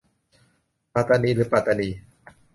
ปาตานีหรือปัตตานี